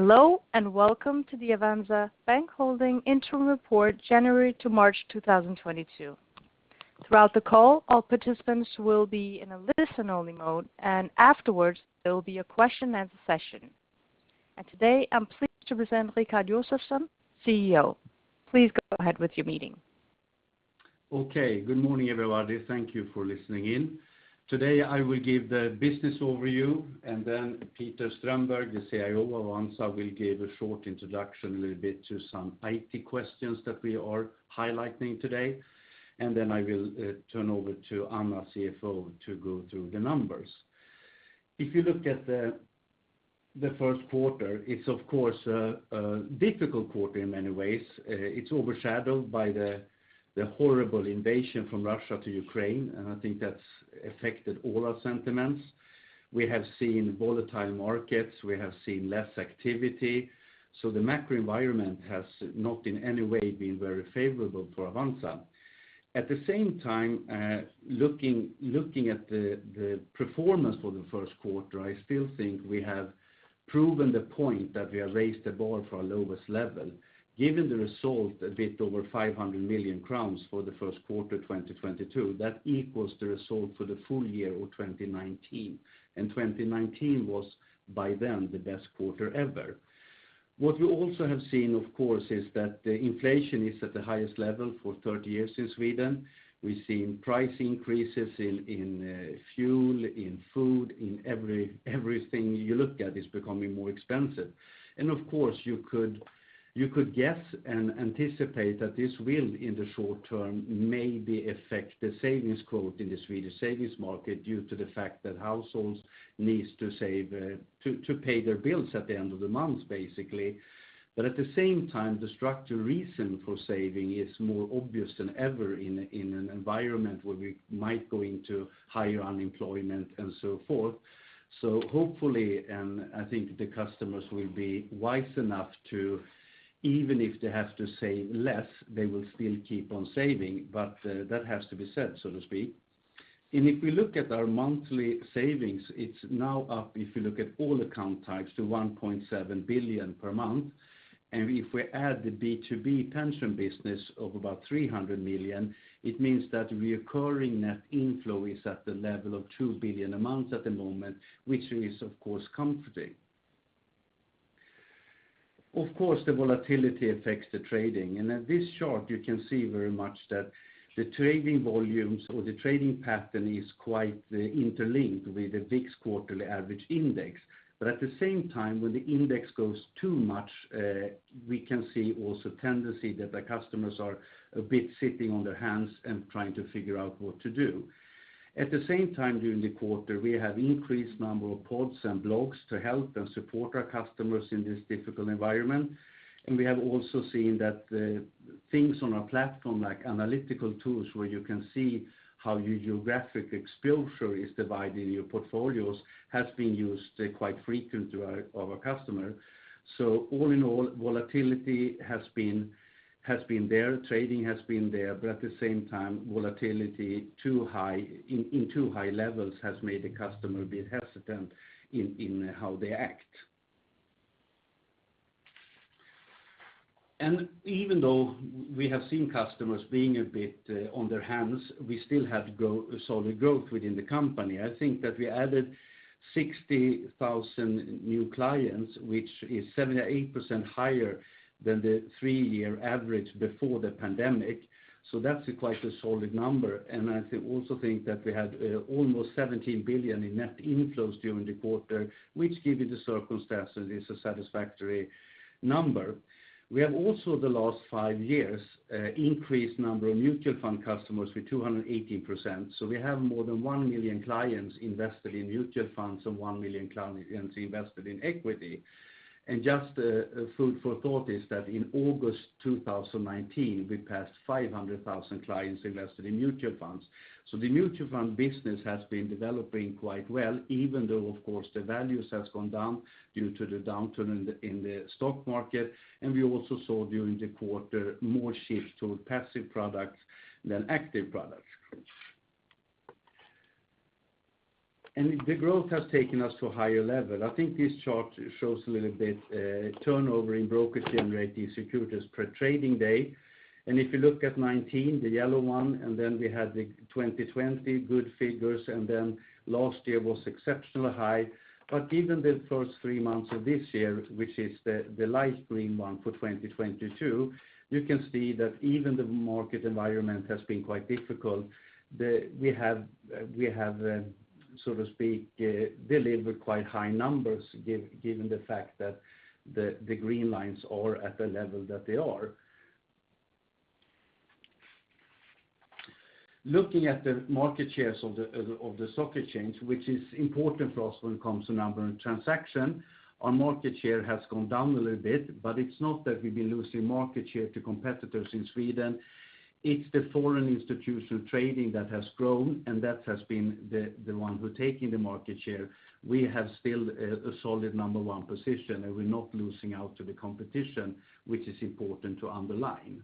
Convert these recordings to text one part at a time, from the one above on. Hello, and welcome to the Avanza Bank Holding interim report January to March 2022. Throughout the call, all participants will be in a listen-only mode, and afterwards there will be a question and answer session. Today, I'm pleased to present Rikard Josefson, CEO. Please go ahead with your meeting. Okay. Good morning, everybody. Thank you for listening in. Today, I will give the business overview, and then Peter Strömberg, the CIO of Avanza, will give a short introduction a little bit to some IT questions that we are highlighting today. I will turn over to Anna, CFO, to go through the numbers. If you look at the first quarter, it's of course a difficult quarter in many ways. It's overshadowed by the horrible invasion from Russia to Ukraine, and I think that's affected all our sentiments. We have seen volatile markets, we have seen less activity, so the macro environment has not in any way been very favorable for Avanza. At the same time, looking at the performance for the first quarter, I still think we have proven the point that we have raised the bar for our lowest level. Given the result, a bit over 500 million crowns for the first quarter 2022, that equals the result for the full year of 2019. 2019 was, by then, the best quarter ever. What you also have seen, of course, is that the inflation is at the highest level for 30 years in Sweden. We've seen price increases in fuel, in food, in everything you look at is becoming more expensive. Of course, you could guess and anticipate that this will, in the short term, maybe affect the savings rate in the Swedish savings market due to the fact that households needs to save to pay their bills at the end of the month, basically. At the same time, the structural reason for saving is more obvious than ever in an environment where we might go into higher unemployment and so forth. Hopefully, and I think the customers will be wise enough to, even if they have to save less, they will still keep on saving. That has to be said, so to speak. If we look at our monthly savings, it's now up, if you look at all account types, to 1.7 billion per month. If we add the B2B pension business of about 300 million, it means that recurring net inflow is at the level of 2 billion a month at the moment, which is of course comforting. Of course, the volatility affects the trading. At this chart, you can see very much that the trading volumes or the trading pattern is quite interlinked with the VIX quarterly average index. At the same time, when the index goes too much, we can see also tendency that the customers are a bit sitting on their hands and trying to figure out what to do. At the same time during the quarter, we have increased number of posts and blogs to help and support our customers in this difficult environment. We have also seen that things on our platform like analytical tools where you can see how your geographic exposure is divided in your portfolios has been used quite frequently by our customers. All in all, volatility has been there, trading has been there, but at the same time, volatility in too high levels has made the customer a bit hesitant in how they act. Even though we have seen customers being a bit sitting on their hands, we still had solid growth within the company. I think that we added 60,000 new clients, which is 78% higher than the three-year average before the pandemic, that's quite a solid number. I also think that we had almost 17 billion in net inflows during the quarter, which given the circumstances is a satisfactory number. We have also the last five years increased number of mutual fund customers with 280%, so we have more than 1 million clients invested in mutual funds and 1 million clients invested in equity. Just a food for thought is that in August 2019, we passed 500,000 clients invested in mutual funds. The mutual fund business has been developing quite well even though, of course, the values has gone down due to the downturn in the stock market. We also saw during the quarter more shift to passive products than active products. The growth has taken us to a higher level. I think this chart shows a little bit, turnover in brokers generating securities per trading day. If you look at 2019, the yellow one, and then we had the 2020 good figures, and then last year was exceptionally high. Even the first three months of this year, which is the light green one for 2022, you can see that even the market environment has been quite difficult. We have so to speak delivered quite high numbers given the fact that the green lines are at the level that they are. Looking at the market shares of the stock exchange, which is important for us when it comes to number and transaction, our market share has gone down a little bit, but it's not that we've been losing market share to competitors in Sweden. It's the foreign institutional trading that has grown, and that has been the one who are taking the market share. We have still a solid number one position, and we're not losing out to the competition, which is important to underline.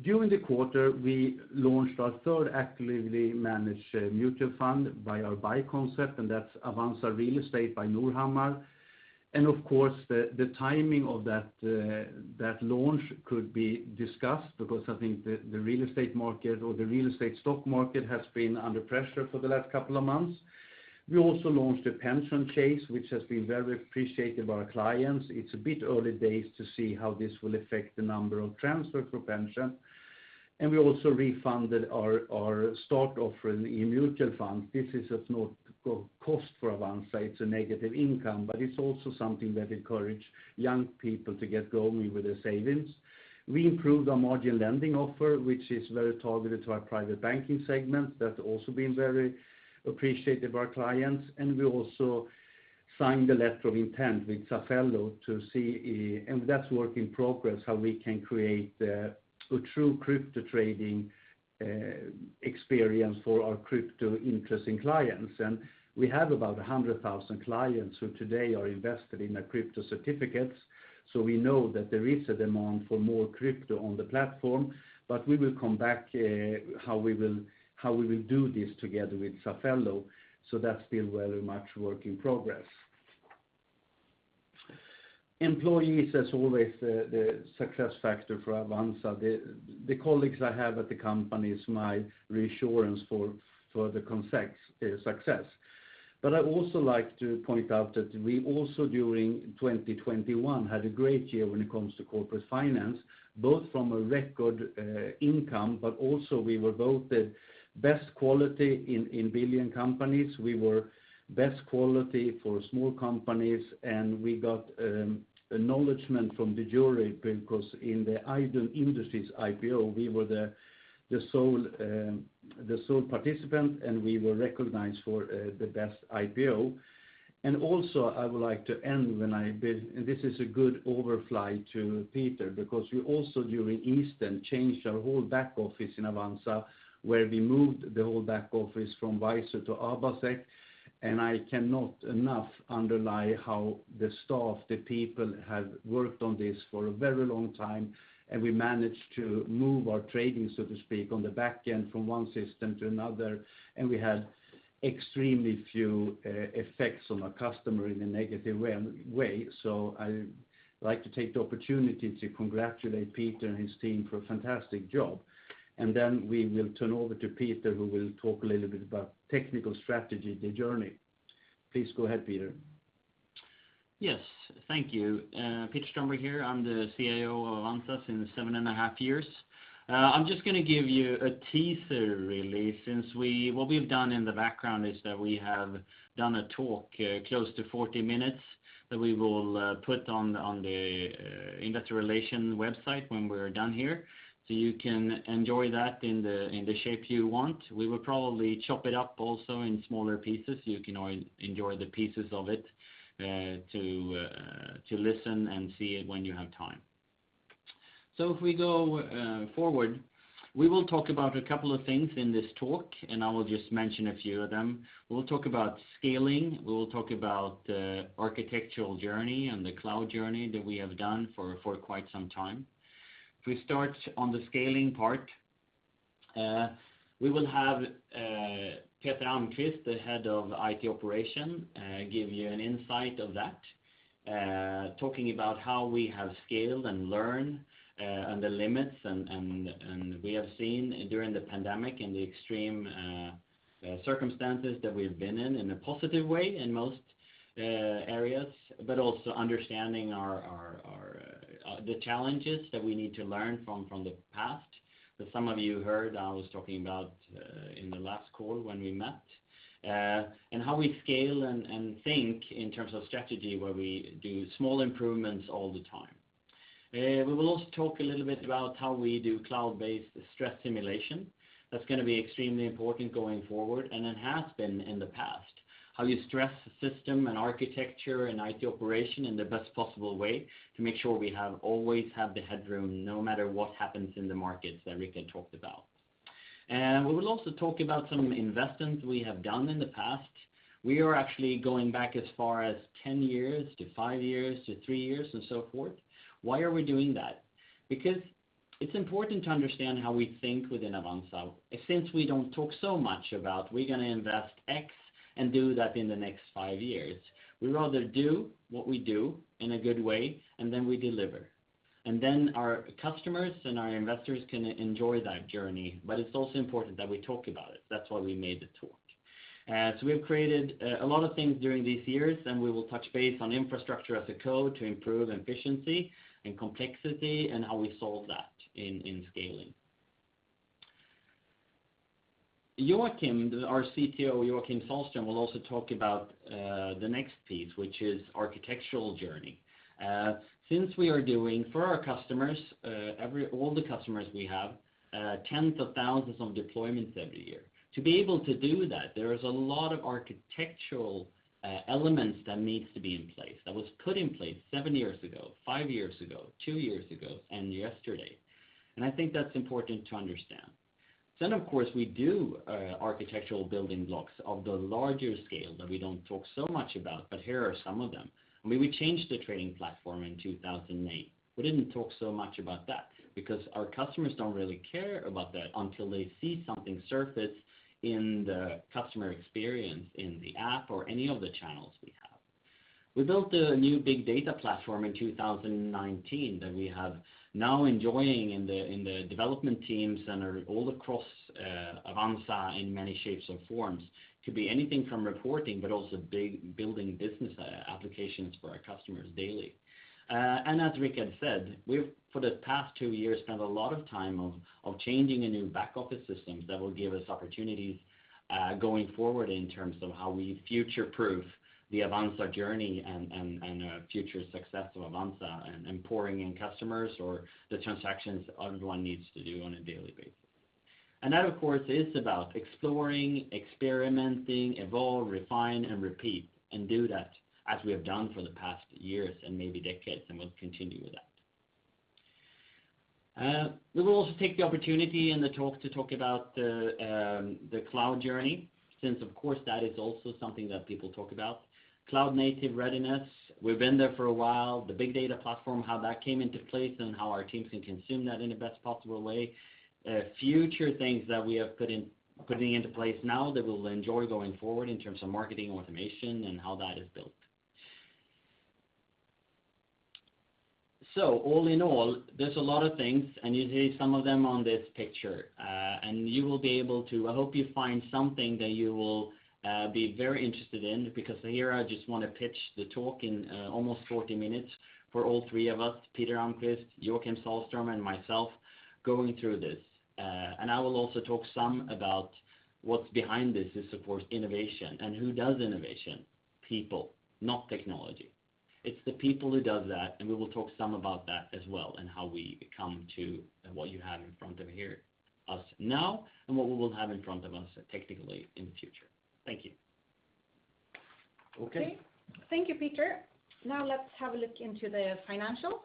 During the quarter, we launched our third actively managed mutual fund by our buy concept, and that's Avanza Fastighet by Norhammar. Of course, the timing of that launch could be discussed because I think the real estate market or the real estate stock market has been under pressure for the last couple of months. We also launched a pension switch, which has been very appreciated by our clients. It's a bit early days to see how this will affect the number of transfers for pension. We also refreshed our stock offering in mutual funds. This is at no cost for Avanza. It's a negative income, but it's also something that encourage young people to get going with their savings. We improved our margin lending offer, which is very targeted to our Private Banking segment. That's also been very appreciated by our clients. We also signed a letter of intent with Safello to see and that's work in progress, how we can create a true crypto trading experience for our crypto interested clients. We have about 100,000 clients who today are invested in crypto certificates, so we know that there is a demand for more crypto on the platform. We will come back how we will do this together with Safello. That's still very much work in progress. Employees as always, the success factor for Avanza. The colleagues I have at the company is my reassurance for the concept success. I'd also like to point out that we also during 2021 had a great year when it comes to corporate finance, both from a record income, but also we were voted best quality in bigger companies. We were best quality for small companies, and we got acknowledgment from the jury because in the Idun Industrier IPO, we were the sole participant, and we were recognized for the best IPO. This is a good handover to Peter, because we also during 2021 changed our whole back office in Avanza, where we moved the whole back office from Wizer to AbaSec. I cannot emphasize enough how the staff, the people have worked on this for a very long time, and we managed to move our trading, so to speak, on the back end from one system to another. We had extremely few effects on our customers in a negative way. I like to take the opportunity to congratulate Peter and his team for a fantastic job. Then we will turn over to Peter, who will talk a little bit about technical strategy, the journey. Please go ahead, Peter. Yes. Thank you. Peter Strömberg here. I'm the CIO of Avanza since seven and a half years. I'm just gonna give you a teaser really, what we've done in the background is that we have done a talk close to 40 minutes that we will put on the investor relations website when we're done here. You can enjoy that in the shape you want. We will probably chop it up also in smaller pieces. You can enjoy the pieces of it to listen and see it when you have time. If we go forward, we will talk about a couple of things in this talk, and I will just mention a few of them. We'll talk about scaling. We will talk about architectural journey and the cloud journey that we have done for quite some time. If we start on the scaling part, we will have Peter Almqvist, Head of IT Operations, give you an insight of that, talking about how we have scaled and learned, and the limits and we have seen during the pandemic and the extreme circumstances that we've been in a positive way in most areas, but also understanding our challenges that we need to learn from the past that some of you heard I was talking about in the last call when we met. How we scale and think in terms of strategy where we do small improvements all the time. We will also talk a little bit about how we do cloud-based stress simulation. That's gonna be extremely important going forward, and it has been in the past. How you stress the system and architecture and IT operation in the best possible way to make sure we always have the headroom no matter what happens in the markets that Rick had talked about. We will also talk about some investments we have done in the past. We are actually going back as far as 10 years to five years to three years and so forth. Why are we doing that? Because it's important to understand how we think within Avanza. Since we don't talk so much about we're gonna invest X and do that in the next five years, we'd rather do what we do in a good way, and then we deliver. Our customers and our investors can enjoy that journey, but it's also important that we talk about it. That's why we made the talk. We've created a lot of things during these years, and we will touch base on infrastructure as a code to improve efficiency and complexity and how we solve that in scaling. Joakim, our CTO, Joakim Sahlström, will also talk about the next piece, which is architectural journey. Since we are doing for all the customers we have, tens of thousands of deployments every year. To be able to do that, there is a lot of architectural elements that needs to be in place. That was put in place seven years ago, five years ago, two years ago, and yesterday. I think that's important to understand. Then of course, we do architectural building blocks of the larger scale that we don't talk so much about, but here are some of them. I mean, we changed the trading platform in 2008. We didn't talk so much about that because our customers don't really care about that until they see something surface in the customer experience in the app or any of the channels we have. We built a new big data platform in 2019 that we are now enjoying in the development teams and are all across Avanza in many shapes and forms. Could be anything from reporting, but also building business applications for our customers daily. As Rick had said, we've for the past two years spent a lot of time on changing to new back office systems that will give us opportunities going forward in terms of how we future-proof the Avanza journey and future success of Avanza and pouring in customers or the transactions everyone needs to do on a daily basis. That, of course, is about exploring, experimenting, evolve, refine and repeat, and do that as we have done for the past years and maybe decades, and we'll continue with that. We will also take the opportunity in the talk to talk about the cloud journey since, of course, that is also something that people talk about. Cloud native readiness, we've been there for a while. The big data platform, how that came into place and how our teams can consume that in the best possible way. Future things that we are putting into place now that we'll enjoy going forward in terms of marketing automation and how that is built. All in all, there's a lot of things, and you see some of them on this picture. You will be able to. I hope you find something that you will be very interested in because here I just wanna pitch the talk in almost 40 minutes for all three of us, Peter Almqvist, Joakim Sahlström, and myself going through this. I will also talk some about what's behind this to support innovation and who does innovation. People, not technology. It's the people who does that, and we will talk some about that as well and how we come to what you have in front of you here now and what we will have in front of us technically in the future. Thank you. Okay. Thank you, Peter. Now let's have a look into the financials.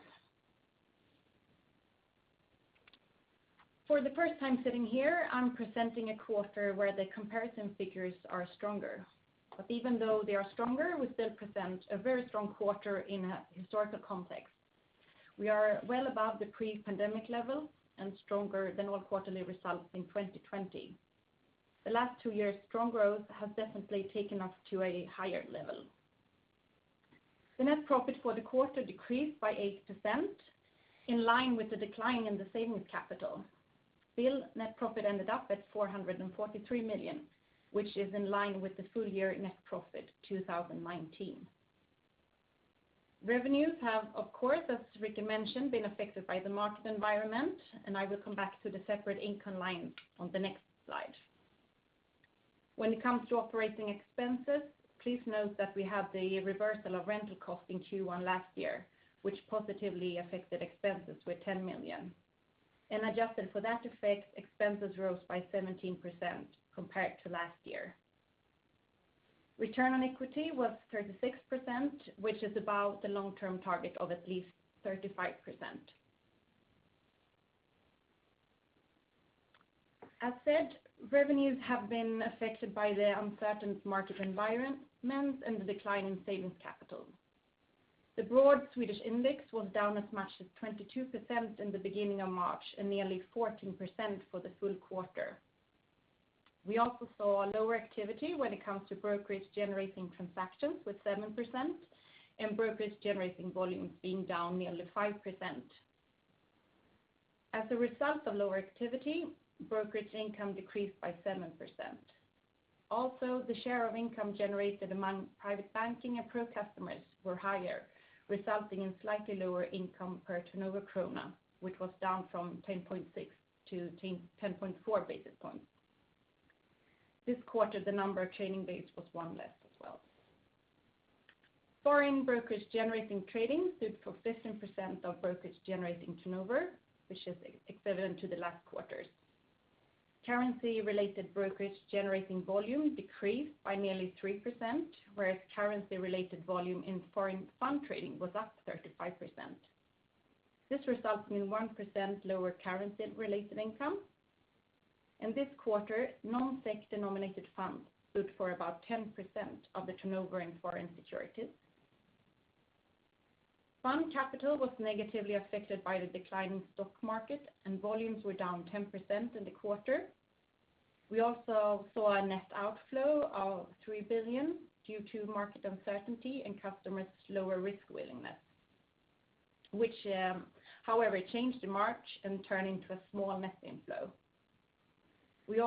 For the first time sitting here, I'm presenting a quarter where the comparison figures are stronger. Even though they are stronger, we still present a very strong quarter in a historical context. We are well above the pre-pandemic level and stronger than all quarterly results in 2020. The last two years' strong growth has definitely taken us to a higher level. The net profit for the quarter decreased by 8%, in line with the decline in the savings capital. Still, net profit ended up at 443 million, which is in line with the full year net profit 2019. Revenues have, of course, as Ricky mentioned, been affected by the market environment, and I will come back to the separate income line on the next slide. When it comes to operating expenses, please note that we have the reversal of rental costs in Q1 last year, which positively affected expenses with 10 million. Adjusted for that effect, expenses rose by 17% compared to last year. Return on equity was 36%, which is above the long-term target of at least 35%. As said, revenues have been affected by the uncertain market environments and the decline in savings capital. The broad Swedish index was down as much as 22% in the beginning of March and nearly 14% for the full quarter. We also saw lower activity when it comes to brokerage generating transactions with 7% and brokerage generating volumes being down nearly 5%. As a result of lower activity, brokerage income decreased by 7%. Also, the share of income generated among Private Banking and Pro customers were higher, resulting in slightly lower income per turnover krona, which was down from 10.6 to 10.4 basis points. This quarter, the number of trading days was one less as well. Foreign brokerage generating trading stood for 15% of brokerage generating turnover, which is equivalent to the last quarters. Currency-related brokerage generating volume decreased by nearly 3%, whereas currency-related volume in foreign fund trading was up 35%. This results in 1% lower currency-related income. In this quarter, non-SEK denominated funds stood for about 10% of the turnover in foreign securities. Fund capital was negatively affected by the decline in stock market, and volumes were down 10% in the quarter. We saw a net outflow of 3 billion due to market uncertainty and customers' lower risk willingness, which, however, changed in March and turned into a small net inflow. We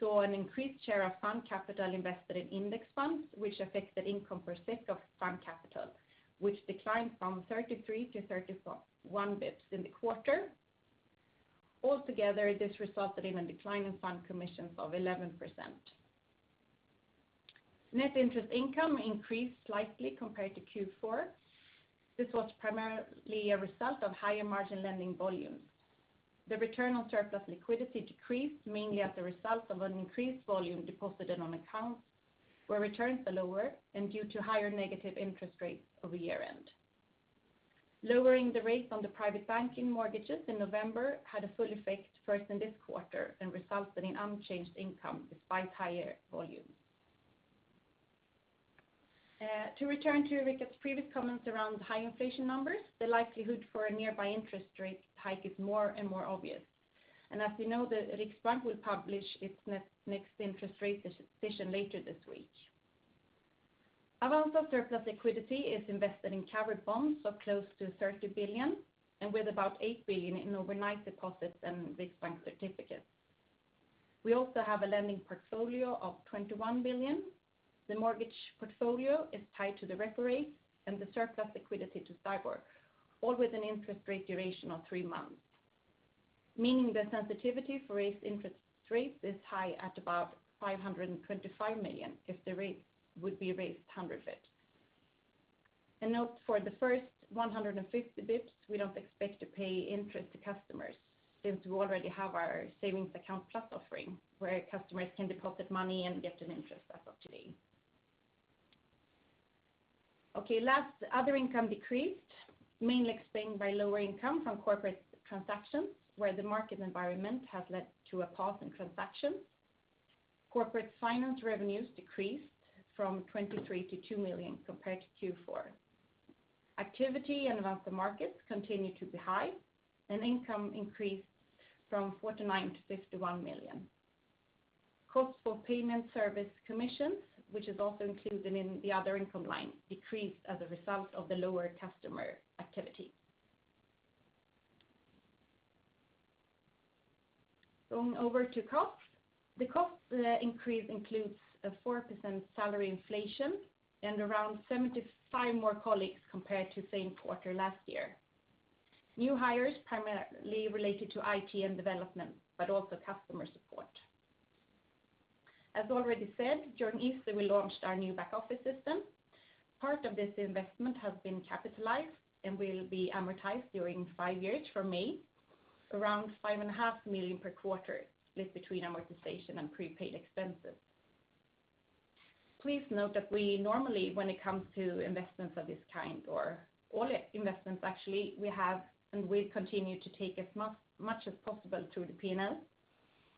saw an increased share of fund capital invested in index funds, which affected income per SEK of fund capital, which declined from 33-31 bps in the quarter. Altogether, this resulted in a decline in fund commissions of 11%. Net interest income increased slightly compared to Q4. This was primarily a result of higher margin lending volumes. The return on surplus liquidity decreased mainly as a result of an increased volume deposited on accounts where returns are lower and due to higher negative interest rates over year-end. Lowering the rate on the Private Banking mortgages in November had a full effect first in this quarter and resulted in unchanged income despite higher volumes. To return to Rikard's previous comments around high inflation numbers, the likelihood for a nearby interest rate hike is more and more obvious. As we know, the Riksbank will publish its next interest rate decision later this week. Avanza surplus liquidity is invested in covered bonds of close to 30 billion and with about 8 billion in overnight deposits and Riksbank certificates. We also have a lending portfolio of 21 billion. The mortgage portfolio is tied to the repo rate and the surplus liquidity to STIBOR, all with an interest rate duration of three months, meaning the sensitivity for raised interest rates is high at about 525 million if the rate would be raised 100 basis points. Note for the first 150 bps, we don't expect to pay interest to customers since we already have our savings account plus offering, where customers can deposit money and get an interest as of today. Okay, last, other income decreased, mainly explained by lower income from corporate transactions where the market environment has led to a pause in transactions. Corporate finance revenues decreased from 23 million to 2 million compared to Q4. Activity in Avanza Markets continue to be high, and income increased from 49 million to 51 million. Cost for payment service commissions, which is also included in the other income line, decreased as a result of the lower customer activity. Going over to costs. The cost increase includes a 4% salary inflation and around 75 more colleagues compared to same quarter last year. New hires primarily related to IT and development, but also customer support. As already said, during Easter we launched our new back office system. Part of this investment has been capitalized and will be amortized during five years from May, around 5.5 million per quarter split between amortization and prepaid expenses. Please note that we normally, when it comes to investments of this kind or all investments actually, we have and will continue to take as much as possible through the P&L,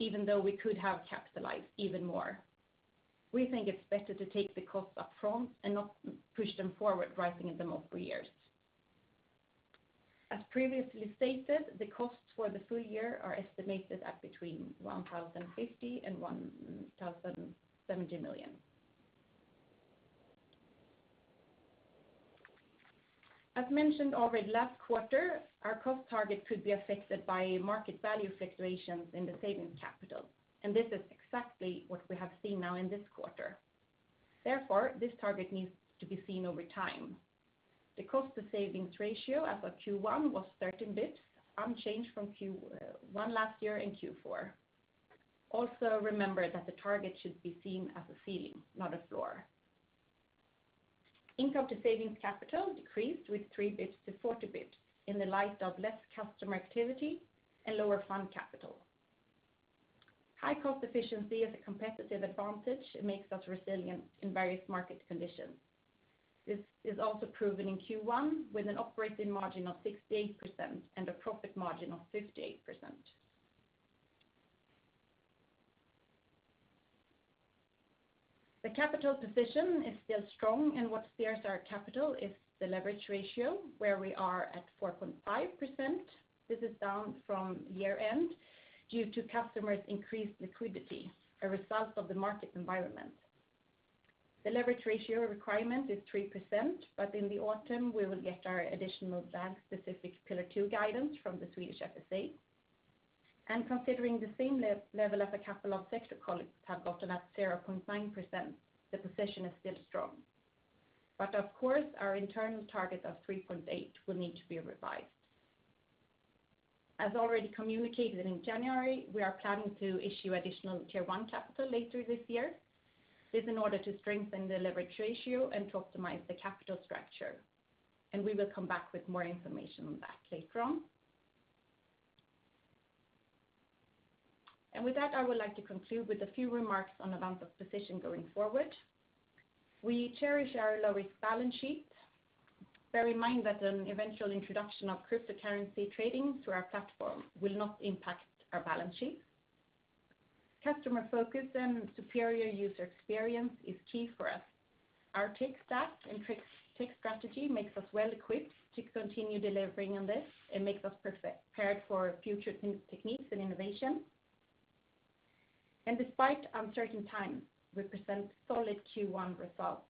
even though we could have capitalized even more. We think it's better to take the costs up front and not push them forward, spreading them over years. As previously stated, the costs for the full year are estimated at between 1,050 million and 1,070 million. As mentioned already last quarter, our cost target could be affected by market value fluctuations in the savings capital, and this is exactly what we have seen now in this quarter. Therefore, this target needs to be seen over time. The cost to savings ratio as of Q1 was 13 bps, unchanged from Q1 last year and Q4. Also remember that the target should be seen as a ceiling, not a floor. Income to savings capital decreased with 3 bps to 40 bps in the light of less customer activity and lower fund capital. High cost efficiency is a competitive advantage. It makes us resilient in various market conditions. This is also proven in Q1 with an operating margin of 68% and a profit margin of 58%. The capital position is still strong, and what steers our capital is the leverage ratio where we are at 4.5%. This is down from year-end due to customers' increased liquidity, a result of the market environment. The leverage ratio requirement is 3%, but in the autumn we will get our additional bank-specific Pillar II guidance from the Swedish FSA. Considering the same level of the capital that sector colleagues have gotten at 0.9%, the position is still strong. Of course, our internal target of 3.8 will need to be revised. As already communicated in January, we are planning to issue additional Tier 1 capital later this year. This in order to strengthen the leverage ratio and to optimize the capital structure, and we will come back with more information on that later on. With that, I would like to conclude with a few remarks on Avanza's position going forward. We cherish our low-risk balance sheet. Bear in mind that an eventual introduction of cryptocurrency trading through our platform will not impact our balance sheet. Customer focus and superior user experience is key for us. Our tech stack and tech strategy makes us well equipped to continue delivering on this and makes us prepared for future techniques and innovation. Despite uncertain times, we present solid Q1 results.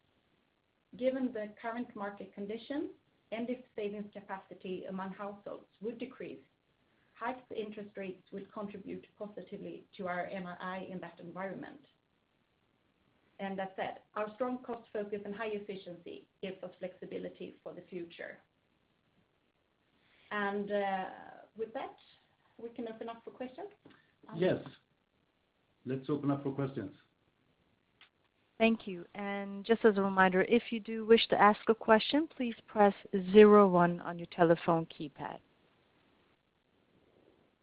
Given the current market conditions and if savings capacity among households would decrease, hiked interest rates will contribute positively to our NII in that environment. That said, our strong cost focus and high efficiency gives us flexibility for the future. With that, we can open up for questions. Yes. Let's open up for questions. Thank you. Just as a reminder, if you do wish to ask a question, please press zero one on your telephone keypad.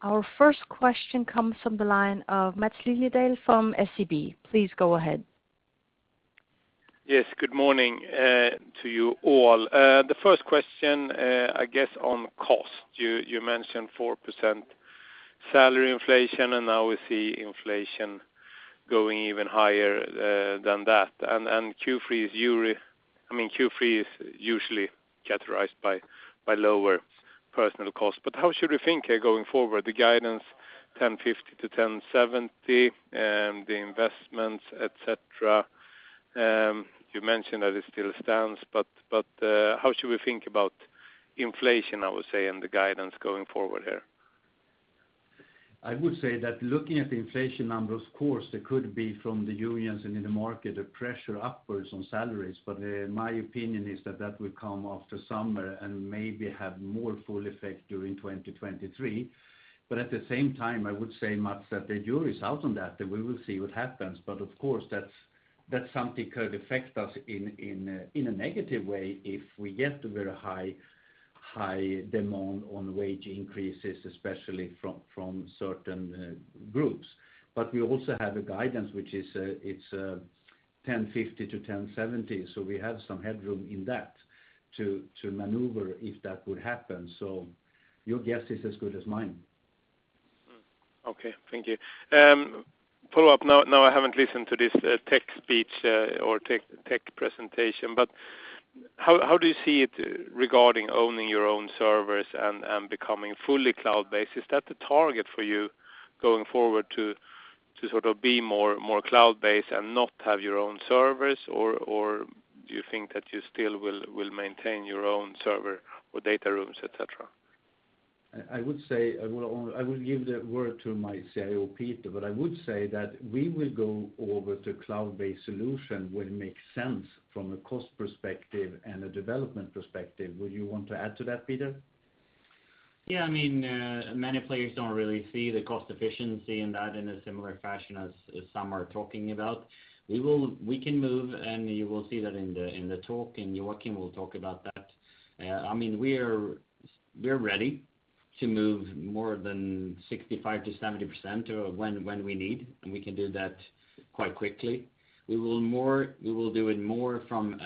Our first question comes from the line of Maths Liljedahl from SEB. Please go ahead. Yes. Good morning to you all. The first question, I guess on cost. You mentioned 4% salary inflation, and now we see inflation going even higher than that. I mean, Q3 is usually characterized by lower personnel costs. But how should we think here going forward, the guidance 1,050-1,070 and the investments, et cetera, you mentioned that it still stands, but how should we think about inflation, I would say, and the guidance going forward here? I would say that looking at the inflation numbers, of course, there could be from the unions and in the market a pressure upwards on salaries. My opinion is that that will come after summer and maybe have more full effect during 2023. At the same time, I would say, Maths, that the jury's out on that, and we will see what happens. Of course that's something could affect us in a negative way if we get a very high demand on wage increases, especially from certain groups. We also have a guidance which is 1,050-1,070, so we have some headroom in that to maneuver if that would happen. Your guess is as good as mine. Okay. Thank you. Follow-up. Now I haven't listened to this tech speech or tech presentation, but how do you see it regarding owning your own servers and becoming fully cloud-based? Is that the target for you going forward to sort of be more cloud-based and not have your own servers, or do you think that you still will maintain your own server or data rooms, et cetera? I would say I will give the word to my CIO, Peter, but I would say that we will go over to cloud-based solution when it makes sense from a cost perspective and a development perspective. Would you want to add to that, Peter? I mean, many players don't really see the cost efficiency in that in a similar fashion as some are talking about. We can move, and you will see that in the talk, and Joakim will talk about that. I mean, we're ready to move more than 65%-70% of when we need, and we can do that quite quickly. We will do it more from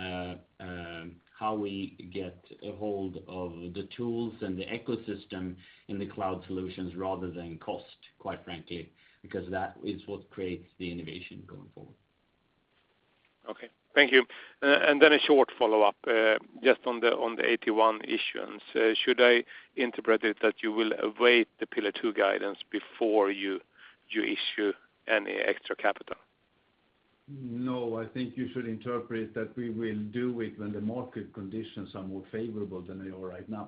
how we get a hold of the tools and the ecosystem in the cloud solutions rather than cost, quite frankly, because that is what creates the innovation going forward. Okay. Thank you. A short follow-up, just on the AT1 issuance. Should I interpret it that you will await the Pillar 2 guidance before you issue any extra capital? No, I think you should interpret that we will do it when the market conditions are more favorable than they are right now.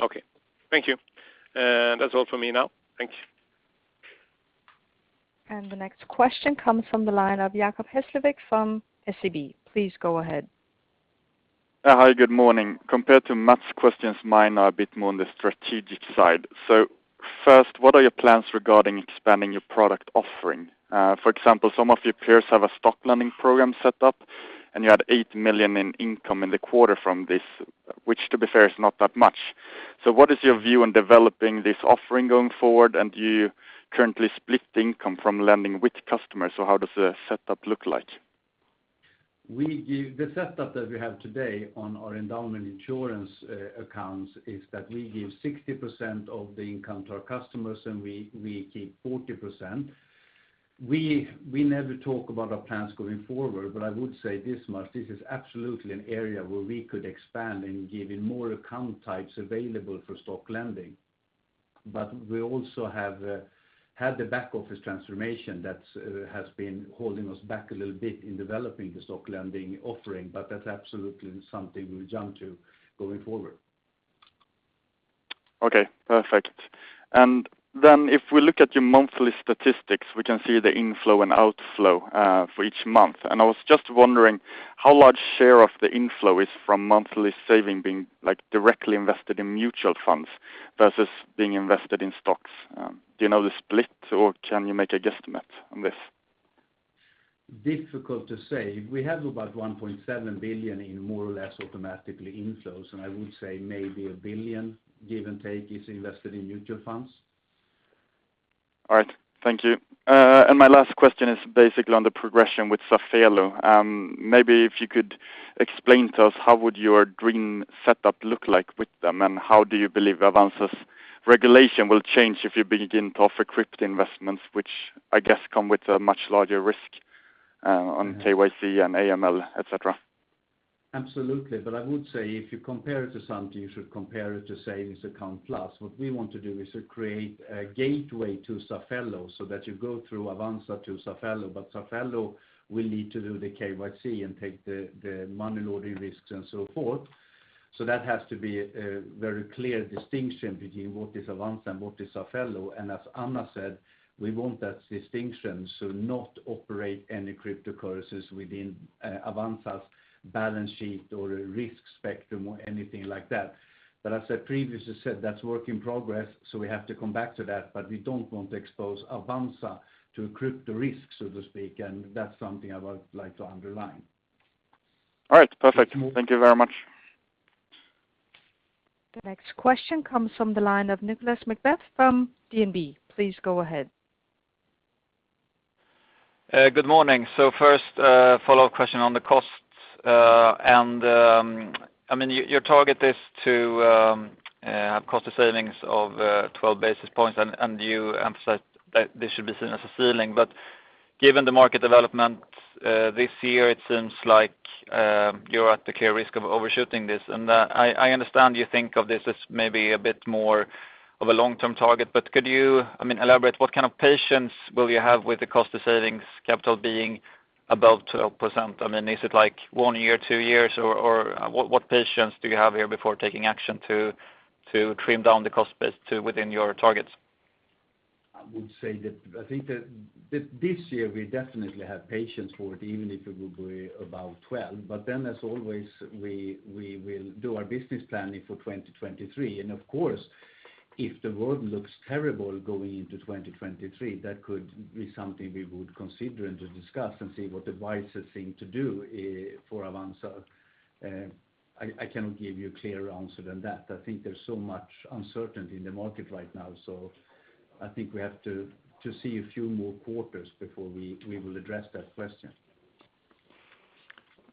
Okay. Thank you. That's all for me now. Thanks. The next question comes from the line of Jacob Hesslevik from SEB. Please go ahead. Hi. Good morning. Compared to Maths' questions, mine are a bit more on the strategic side. First, what are your plans regarding expanding your product offering? For example, some of your peers have a stock lending program set up, and you had 8 million in income in the quarter from this, which to be fair is not that much. What is your view on developing this offering going forward? And do you currently split income from lending with customers, or how does the setup look like? The setup that we have today on our endowment insurance accounts is that we give 60% of the income to our customers, and we keep 40%. We never talk about our plans going forward, but I would say this much, this is absolutely an area where we could expand and give even more account types available for stock lending. We also have had the back office transformation that has been holding us back a little bit in developing the stock lending offering, but that's absolutely something we'll jump to going forward. Okay. Perfect. If we look at your monthly statistics, we can see the inflow and outflow for each month. I was just wondering how large share of the inflow is from monthly saving being, like, directly invested in mutual funds versus being invested in stocks. Do you know the split, or can you make a guesstimate on this? Difficult to say. We have about 1.7 billion in more or less automatically inflows, and I would say maybe 1 billion, give and take, is invested in mutual funds. All right. Thank you. My last question is basically on the progression with Safello. Maybe if you could explain to us how would your green setup look like with them, and how do you believe Avanza's regulation will change if you begin to offer crypto investments, which I guess come with a much larger risk on KYC and AML, et cetera? Absolutely. I would say if you compare it to something, you should compare it to Savings Account Plus. What we want to do is to create a gateway to Safello so that you go through Avanza to Safello. Safello will need to do the KYC and take the money laundering risks and so forth. That has to be a very clear distinction between what is Avanza and what is Safello. As Anna said, we want that distinction to not operate any cryptocurrencies within Avanza's balance sheet or risk spectrum or anything like that. As I previously said, that's work in progress, so we have to come back to that. We don't want to expose Avanza to crypto risk, so to speak, and that's something I would like to underline. All right, perfect. Thank you very much. The next question comes from the line of Nicolas McBeath from DNB. Please go ahead. Good morning. First, follow-up question on the costs. I mean, your target is to achieve cost savings of 12 basis points and you emphasized that this should be seen as a ceiling. Given the market development this year, it seems like you're at the clear risk of overshooting this. I understand you think of this as maybe a bit more of a long-term target, but could you, I mean, elaborate what kind of patience will you have with the cost/income ratio being above 12%? I mean, is it like one year, two years, or what patience do you have here before taking action to trim down the cost base to within your targets? I would say that I think that this year we definitely have patience for it, even if it will be above 12. As always, we will do our business planning for 2023. Of course, if the world looks terrible going into 2023, that could be something we would consider and to discuss and see what the wisest thing to do for Avanza. I cannot give you a clearer answer than that. I think there's so much uncertainty in the market right now, so I think we have to see a few more quarters before we will address that question.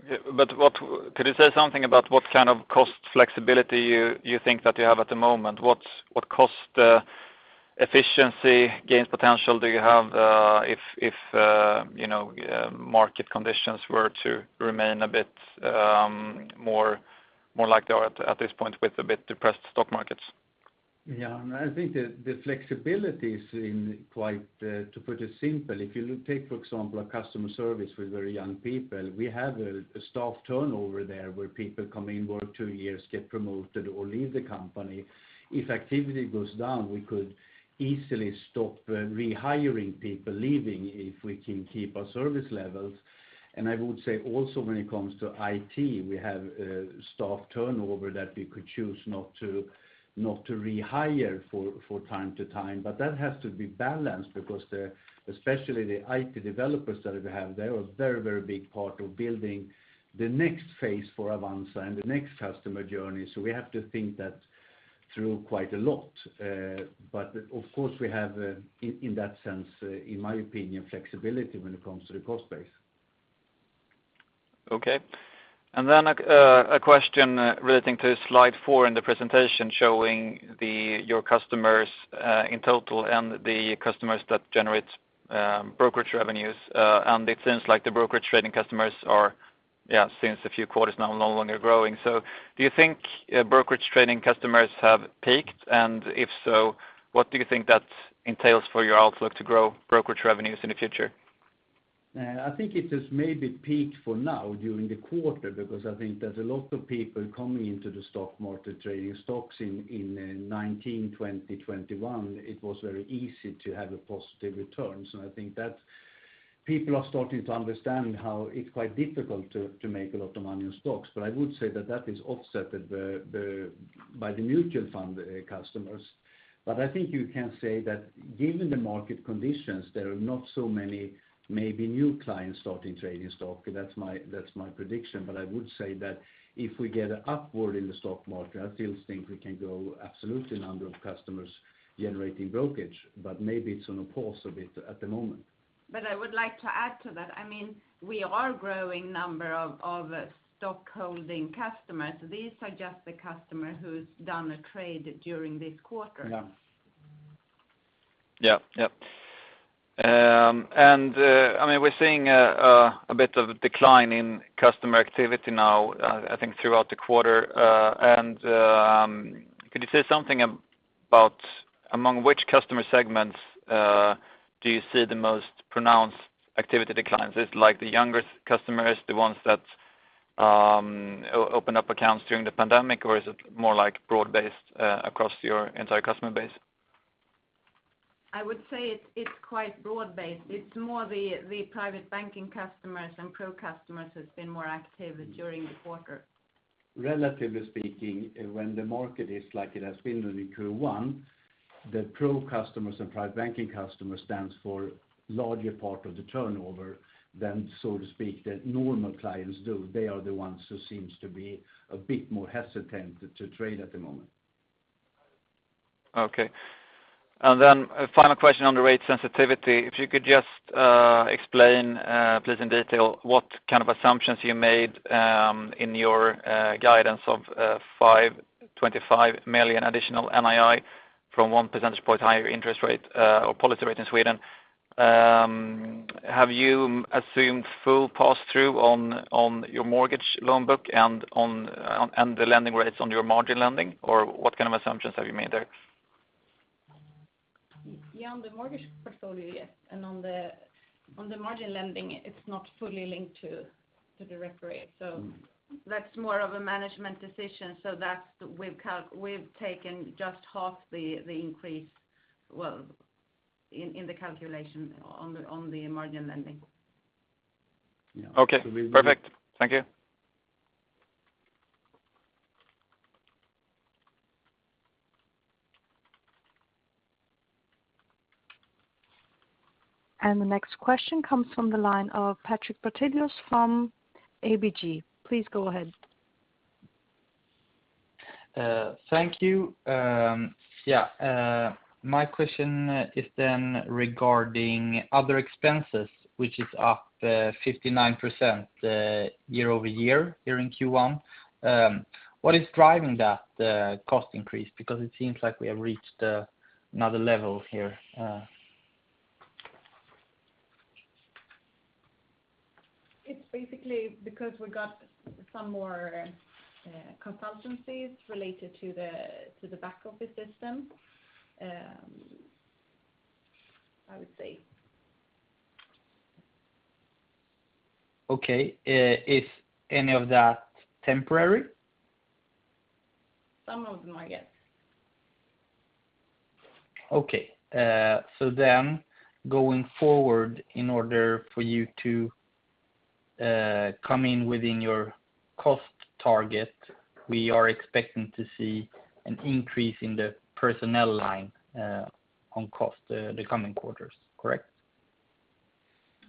Could you say something about what kind of cost flexibility you think that you have at the moment? What cost efficiency gains potential do you have, if you know, market conditions were to remain a bit more like they are at this point with a bit depressed stock markets? Yeah. I think the flexibility is, quite to put it simply, if you take, for example, a customer service with very young people, we have a staff turnover there where people come in, work two years, get promoted or leave the company. If activity goes down, we could easily stop rehiring people leaving if we can keep our service levels. I would say also when it comes to IT, we have staff turnover that we could choose not to rehire from time to time. That has to be balanced because especially the IT developers that we have, they're a very, very big part of building the next phase for Avanza and the next customer journey. We have to think that through quite a lot. Of course we have, in that sense, in my opinion, flexibility when it comes to the cost base. A question relating to slide four in the presentation showing your customers in total and the customers that generate brokerage revenues. It seems like the brokerage trading customers are since a few quarters now no longer growing. Do you think brokerage trading customers have peaked? If so, what do you think that entails for your outlook to grow brokerage revenues in the future? I think it has maybe peaked for now during the quarter because I think there's a lot of people coming into the stock market trading stocks in 2019, 2020, 2021. It was very easy to have a positive return. I think that people are starting to understand how it's quite difficult to make a lot of money in stocks. I would say that that is offset by the mutual fund customers. I think you can say that given the market conditions, there are not so many maybe new clients starting trading stock. That's my prediction. I would say that if we get upward in the stock market, I still think we can grow absolutely number of customers generating brokerage, but maybe it's on a pause a bit at the moment. I would like to add to that. I mean, we are growing number of stockholding customers. These are just the customer who's done a trade during this quarter. Yeah. Yeah. Yep. I mean, we're seeing a bit of decline in customer activity now, I think throughout the quarter. Could you say something about among which customer segments do you see the most pronounced activity declines? Is it like the younger customers, the ones that open up accounts during the pandemic, or is it more like broad-based across your entire customer base? I would say it's quite broad-based. It's more the Private Banking customers and Pro customers who's been more active during the quarter. Relatively speaking, when the market is like it has been in Q1, the Pro customers and Private Banking customers stands for larger part of the turnover than, so to speak, the normal clients do. They are the ones who seems to be a bit more hesitant to trade at the moment. Okay. A final question on the rate sensitivity. If you could just explain please in detail what kind of assumptions you made in your guidance of 25 million additional NII from 1 percentage point higher interest rate or policy rate in Sweden. Have you assumed full pass-through on your mortgage loan book and the lending rates on your margin lending, or what kind of assumptions have you made there? Yeah, on the mortgage portfolio, yes. On the margin lending, it's not fully linked to the repo rate. That's more of a management decision. We've taken just half the increase, well, in the calculation on the margin lending. Yeah. Okay. Perfect. Thank you. The next question comes from the line of Patrik Brattelius from ABG. Please go ahead. Thank you. Yeah, my question is regarding other expenses, which is up 59% year-over-year here in Q1. What is driving that cost increase? Because it seems like we have reached another level here. It's basically because we got some more consultancies related to the back office system, I would say. Okay. Is any of that temporary? Some of them, I guess. Okay. Going forward, in order for you to come in within your cost target, we are expecting to see an increase in the personnel line on costs the coming quarters, correct?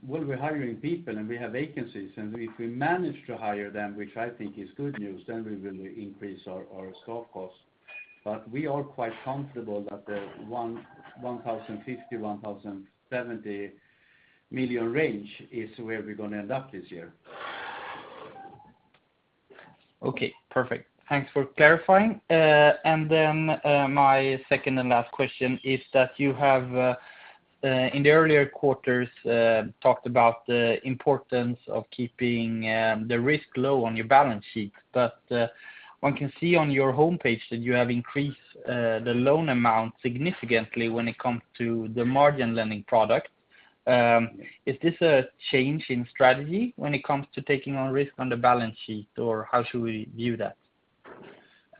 Well, we're hiring people, and we have vacancies. If we manage to hire them, which I think is good news, then we will increase our staff costs. We are quite comfortable that the 1,050 million-1,070 million range is where we're gonna end up this year. Okay, perfect. Thanks for clarifying. My second and last question is that you have in the earlier quarters talked about the importance of keeping the risk low on your balance sheet. One can see on your homepage that you have increased the loan amount significantly when it comes to the margin lending product. Is this a change in strategy when it comes to taking on risk on the balance sheet, or how should we view that?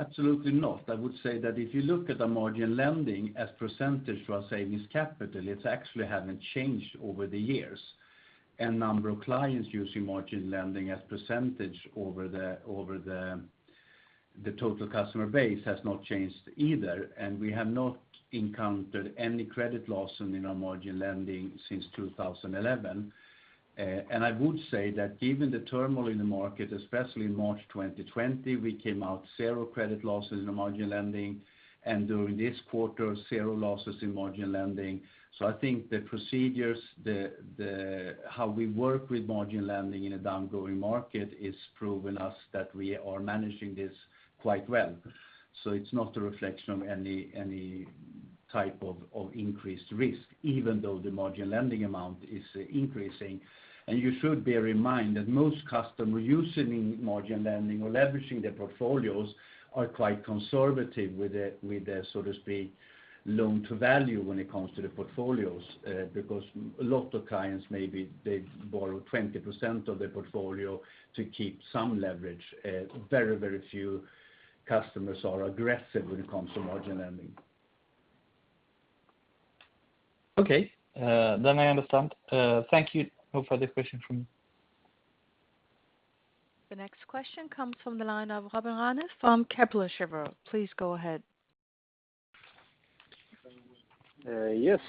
Absolutely not. I would say that if you look at the margin lending as percentage to our savings capital, it's actually haven't changed over the years. Number of clients using margin lending as percentage over the total customer base has not changed either. We have not encountered any credit loss in our margin lending since 2011. I would say that given the turmoil in the market, especially in March 2020, we came out 0 credit losses in the margin lending, and during this quarter, 0 losses in margin lending. I think the procedures, how we work with margin lending in a downgoing market is proven us that we are managing this quite well. It's not a reflection of any type of increased risk, even though the margin lending amount is increasing. You should bear in mind that most customers using margin lending or leveraging their portfolios are quite conservative with their, so to speak, loan to value when it comes to the portfolios. Because a lot of clients, maybe they borrow 20% of their portfolio to keep some leverage. Very, very few customers are aggressive when it comes to margin lending. Okay. I understand. Thank you. No further question from me. The next question comes from the line of Robin Rane from Kepler Cheuvreux. Please go ahead. Yes.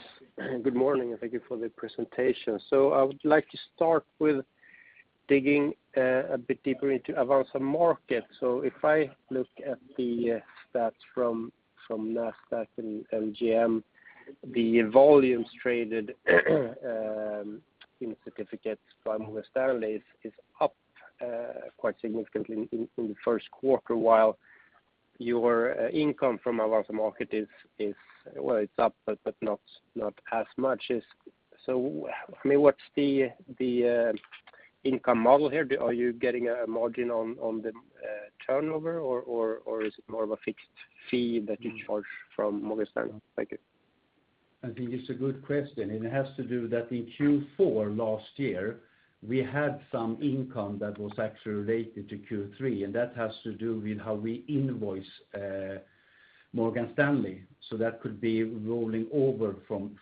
Good morning, and thank you for the presentation. I would like to start with digging a bit deeper into Avanza Markets. If I look at the stats from Nasdaq and NGM, the volumes traded in certificates by Morgan Stanley is up quite significantly in the first quarter, while your income from Avanza Markets is, well, it's up but not as much as. I mean, what's the income model here? Are you getting a margin on the turnover, or is it more of a fixed fee that you charge from Morgan Stanley? Thank you. I think it's a good question, and it has to do with that in Q4 last year, we had some income that was actually related to Q3, and that has to do with how we invoice Morgan Stanley. That could be rolling over from,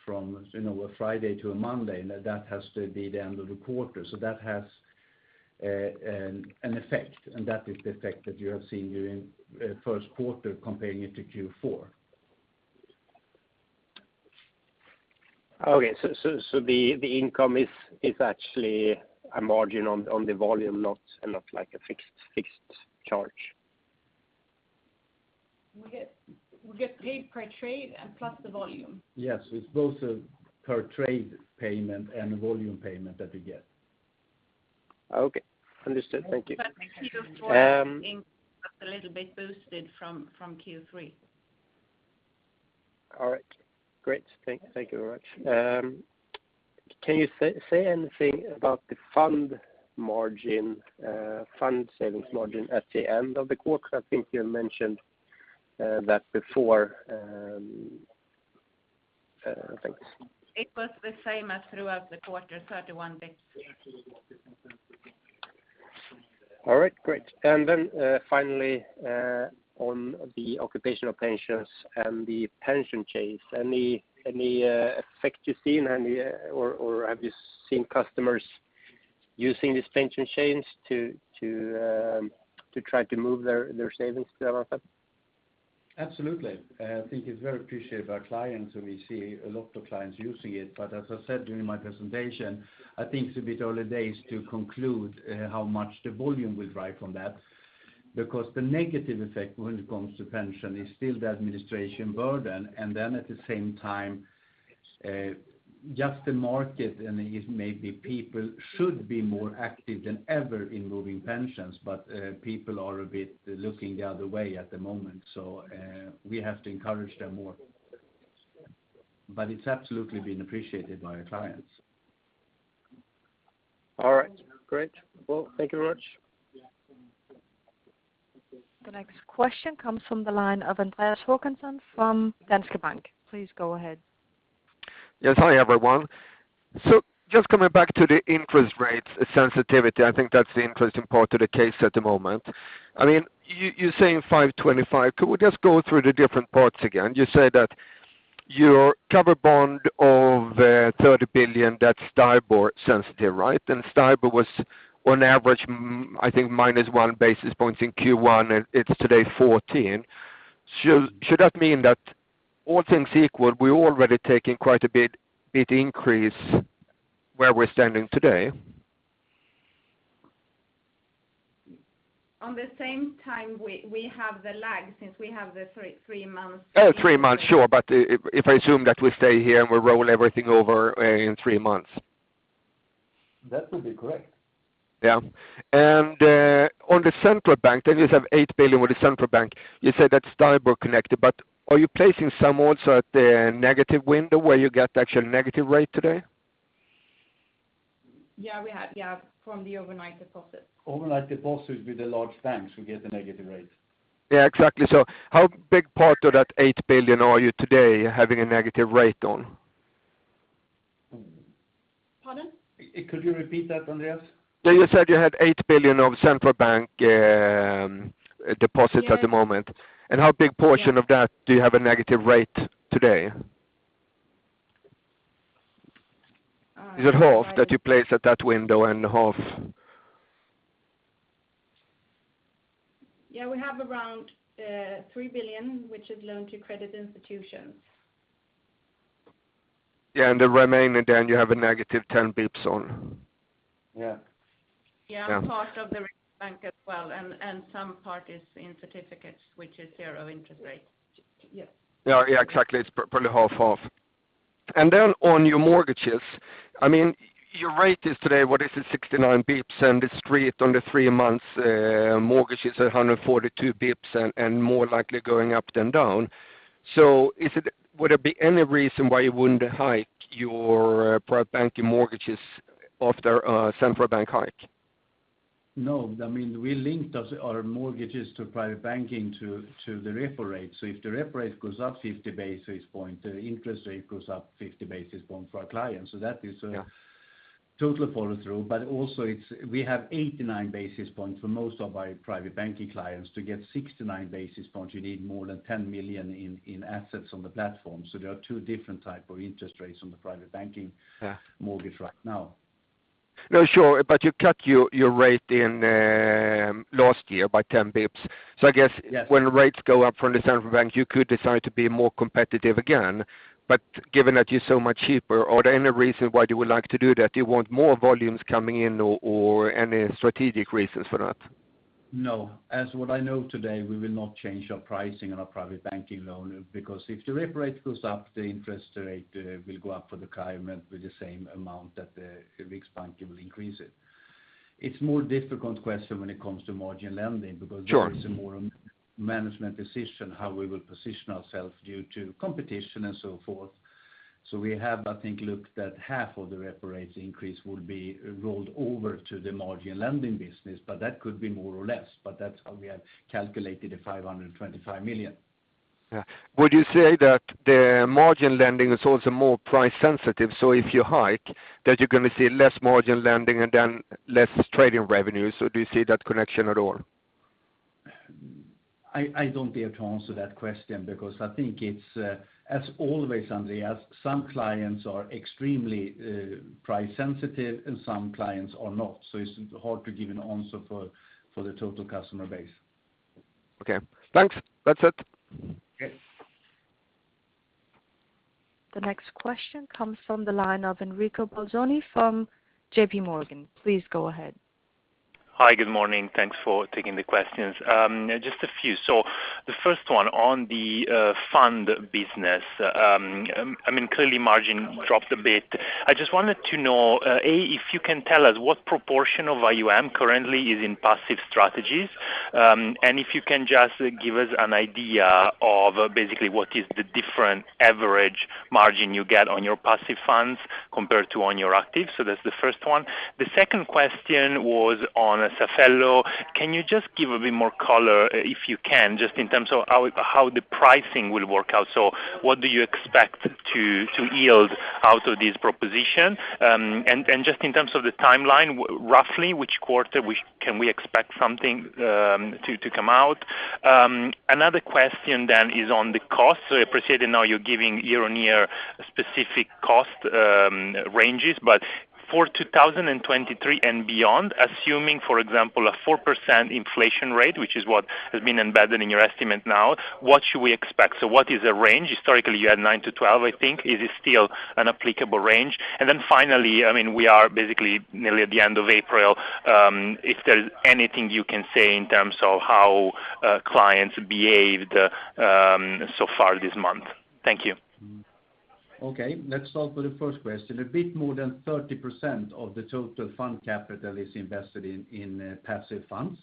you know, a Friday to a Monday, and that has to be the end of the quarter. That has an effect, and that is the effect that you have seen during first quarter comparing it to Q4. Okay. The income is actually a margin on the volume, not like a fixed charge. We get paid per trade and plus the volume. Yes. It's both a per trade payment and volume payment that we get. Okay. Understood. Thank you. Q4 has been a little bit boosted from Q3. All right. Great. Thank you very much. Can you say anything about the fund margin, fund savings margin at the end of the quarter? I think you mentioned that before, I think. It was the same as throughout the quarter, 31 basis points. All right, great. Finally, on the occupational pensions and the pension change, any effect you've seen? Or have you seen customers using this pension change to try to move their savings to Avanza? Absolutely. I think it's very appreciated by clients, and we see a lot of clients using it. As I said during my presentation, I think it's a bit early days to conclude how much the volume will drive from that. Because the negative effect when it comes to pension is still the administration burden, and then at the same time, just the market and it may be people should be more active than ever in moving pensions, but people are a bit looking the other way at the moment. We have to encourage them more. It's absolutely been appreciated by our clients. All right. Great. Well, thank you very much. The next question comes from the line of Andreas Håkansson from Danske Bank. Please go ahead. Hi, everyone. Just coming back to the interest rates sensitivity, I think that's the interesting part of the case at the moment. I mean, you're saying 5.25. Could we just go through the different parts again? You say that your cover bond of 30 billion, that's STIBOR sensitive, right? STIBOR was on average -1 basis points in Q1, and it's today 14. Should that mean that all things equal, we're already taking quite a bit increase where we're standing today? At the same time we have the lag since we have the three months. Three months, sure. If I assume that we stay here and we roll everything over, in three months. That would be correct. On the Central Bank, then you have 8 billion with the Central Bank. You said that's STIBOR connected, but are you placing some also at the negative window where you get actual negative rate today? Yeah, we have from the overnight deposits. Overnight deposits with the large banks who get the negative rates. Yeah, exactly. How big part of that 8 billion are you today having a negative rate on? Pardon? Could you repeat that, Andreas? You said you had 8 billion of Central Bank deposits at the moment. Yeah. How big portion of that do you have a negative rate today? Uh, I- Is it half that you place at that window and half? Yeah, we have around 3 billion, which is loans to credit institutions. The remaining, then you have a negative 10 bps on. Yeah. Yeah, part of the Riksbank as well, and some part is in certificates, which is zero interest rates. Yes. Yeah, yeah, exactly. It's probably half half. On your mortgages, I mean, your rate is today, what is it, 69 basis points, and the street on the three months mortgage is 142 basis points and more likely going up than down. Would there be any reason why you wouldn't hike your Private Banking mortgages after a Central Bank hike? No. I mean, we linked our mortgages to Private Banking to the repo rate. If the repo rate goes up 50 basis points, the interest rate goes up 50 basis points for our clients. That is a Yeah total follow through. Also it's, we have 89 basis points for most of our Private Banking clients. To get 69 basis points, you need more than 10 million in assets on the platform. There are two different type of interest rates on the Private Banking- Yeah mortgage right now. No, sure. You cut your rate in last year by 10 BPS. I guess- Yes... when rates go up from the Central Bank, you could decide to be more competitive again. Given that you're so much cheaper, are there any reason why you would like to do that? Do you want more volumes coming in or any strategic reasons for that? No. As what I know today, we will not change our pricing on our Private Banking loan because if the repo rate goes up, the interest rate will go up for the client with the same amount that the Riksbank will increase it. It's a more difficult question when it comes to margin lending because. Sure This is more a management decision, how we will position ourselves due to competition and so forth. We have, I think, looked at half of the repo rates increase will be rolled over to the margin lending business, but that could be more or less, but that's how we have calculated 525 million. Yeah. Would you say that the margin lending is also more price sensitive, so if you hike that you're gonna see less margin lending and then less trading revenues, or do you see that connection at all? I don't dare to answer that question because I think it's, as always, Andreas, some clients are extremely, price sensitive and some clients are not. It's hard to give an answer for the total customer base. Okay. Thanks. That's it. Okay. The next question comes from the line of Enrico Bolzoni from JPMorgan. Please go ahead. Hi. Good morning. Thanks for taking the questions. Just a few. The first one on the fund business. I mean, clearly margin dropped a bit. I just wanted to know, a, if you can tell us what proportion of AUM currently is in passive strategies. If you can just give us an idea of basically what is the different average margin you get on your passive funds compared to on your active. That's the first one. The second question was on Safello. Can you just give a bit more color, if you can, just in terms of how the pricing will work out? What do you expect to yield out of this proposition? Just in terms of the timeline, roughly which quarter can we expect something to come out? Another question then is on the cost. I appreciate that now you're giving year-on-year specific cost ranges, but for 2023 and beyond, assuming, for example, a 4% inflation rate, which is what has been embedded in your estimate now, what should we expect? What is the range? Historically, you had 9%-12%, I think. Is it still an applicable range? Then finally, I mean, we are basically nearly at the end of April, if there's anything you can say in terms of how, clients behaved, so far this month. Thank you. Okay. Let's start with the first question. A bit more than 30% of the total fund capital is invested in passive funds.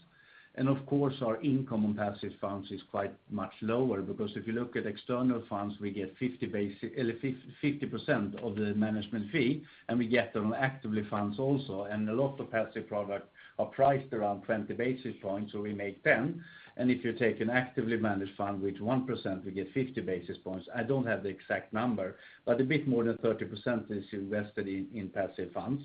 Of course, our income on passive funds is quite much lower, because if you look at external funds, we get 50% of the management fee, and we get the same for active funds also. A lot of passive products are priced around 20 basis points, so we make 10. If you take an actively managed fund, which is 1% we get 50 basis points. I don't have the exact number, but a bit more than 30% is invested in passive funds.